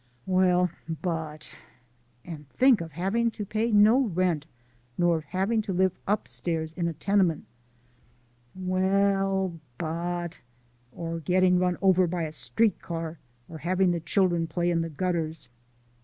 "Well, but " "And think of having to pay no rent, nor of having to live upstairs in a tenement!" "Well, but " "Or getting run over by a street car, or having the children play in the gutters."